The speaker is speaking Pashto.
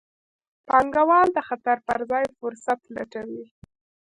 پانګوال د خطر پر ځای فرصت لټوي.